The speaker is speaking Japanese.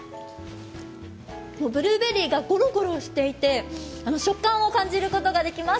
ブルーベリーがごろごろしていて、食感を感じることができます。